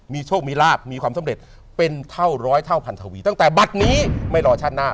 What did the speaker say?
มีโชคมีราคมีความสมดีเป็นเท่าร้อยเท่าพันธวีตั้งแต่บรรษไม่รอชาติหน้า